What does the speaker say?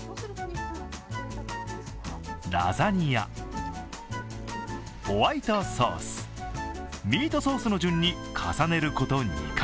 ラザニア、ホワイトソース、ミートソースの順に重ねること２回。